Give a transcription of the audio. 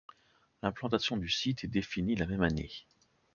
L'implantation du site est définie la même année.